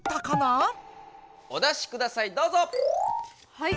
はい。